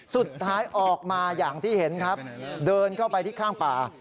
สุดท้ายออกมาอย่างที่เห็นครับเดินเข้าไปที่ข้างป่า